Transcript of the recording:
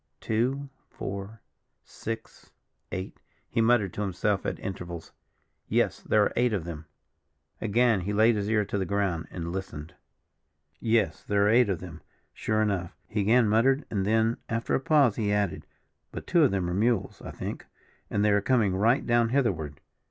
"Two, four, six, eight," he muttered to himself at intervals. "Yes, there are eight of them." Again he laid his ear to the ground and listened. "Yes, there are eight of them, sure enough," he again muttered; and then, after a pause, he added: "But two of them are mules, I think; and they are coming right down hitherward."